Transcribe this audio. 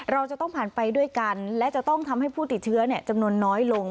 เราจะต้องผ่านไปด้วยกันและจะต้องทำให้ผู้ติดเชื้อจำนวนน้อยลง